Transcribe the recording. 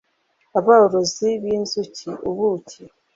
aborozi b’inzuki (ubuki)